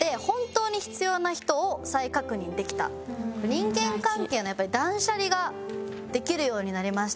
人間関係の断捨離ができるようになりました。